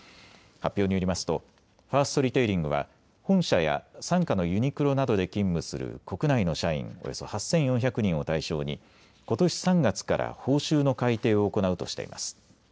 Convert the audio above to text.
発表によりますとファーストリテイリングは本社や傘下のユニクロなどで勤務する国内の社員およそ８４００人を対象にことし３月から報酬の改定を行うとしています。